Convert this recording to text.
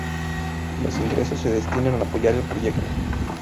Los ingresos se destinan a apoyar el proyecto.